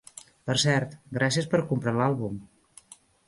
Per cert, gràcies per comprar l'àlbum.